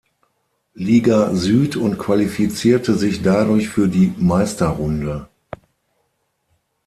Liga Süd und qualifizierte sich dadurch für die Meisterrunde.